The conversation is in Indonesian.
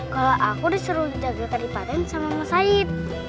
kalau aku disuruh jaga kadipaten sama mas said